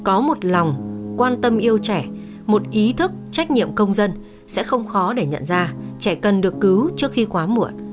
có một lòng quan tâm yêu trẻ một ý thức trách nhiệm công dân sẽ không khó để nhận ra trẻ cần được cứu trước khi quá muộn